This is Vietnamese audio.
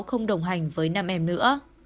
không đồng hành với nam em nữa